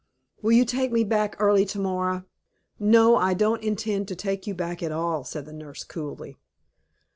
"Will you take me back early to morrow?" "No, I don't intend to take you back at all," said the nurse, coolly.